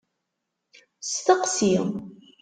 Steqsi!